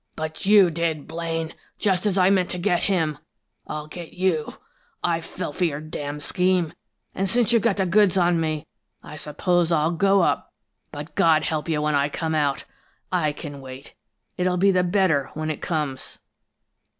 "But you did, Blaine! Just as I meant to get him, I'll get you! I fell for your d d scheme, and since you've got the goods on me, I suppose I'll go up, but God help you when I come out! I can wait it'll be the better when it comes!"